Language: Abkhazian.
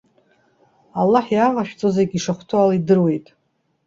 Аллаҳ иааҟашәҵо зегьы ишахәҭоу ала идыруеит.